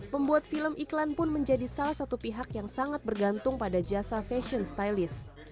pembuat film iklan pun menjadi salah satu pihak yang sangat bergantung pada jasa fashion stylist